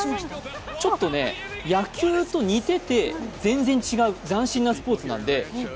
ちょっとね、野球と似てて全然違う斬新なスポーツなのでね